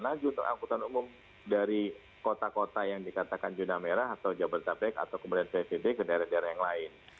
nah juta angkutan umum dari kota kota yang dikatakan juna merah atau jabarta bek atau kemudian psvd ke daerah daerah yang lain